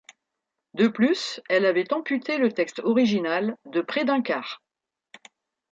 De plus, elle avait amputé le texte original de près d'un quart.